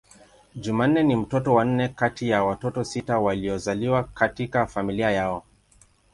Jumanne ni mtoto wa nne kati ya watoto sita waliozaliwa katika familia yao.